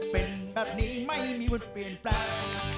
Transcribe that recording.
เป็นแบบนี้ไม่มีวันเปลี่ยนแปลง